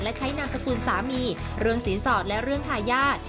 นางสกุลสามีเรื่องสีสอดและเรื่องทายาท